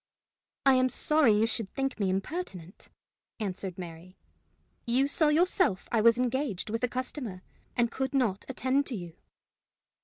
"I am sorry you should think me impertinent," answered Mary. "You saw yourself I was engaged with a customer, and could not attend to you."